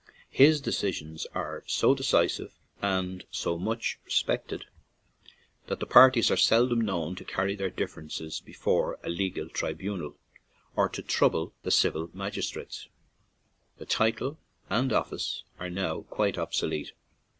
His decisions 103 ON AN IRISH JAUNTING CAR are so decisive and so much respected that the parties are seldom known to carry their differences before a legal tribunal or to trouble the civil magistrates/' The title and office are now quite obsolete.